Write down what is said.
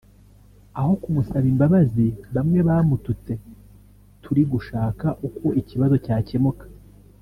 Aho kumusaba imbabazi bamwe bamututse […] turi gushaka uko ikibazo cyakemuka